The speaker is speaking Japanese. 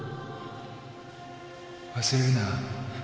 忘れるな。